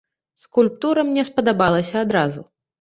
Скульптура мне спадабалася адразу.